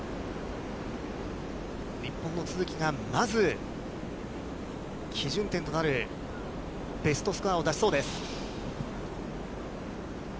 日本の都築がまず基準点となる、ベストスコアを出しそうです。